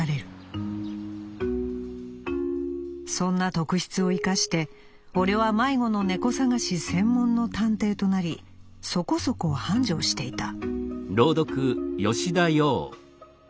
そんな特質を活かして俺は迷子の猫捜し専門の探偵となりそこそこ繁盛していた」。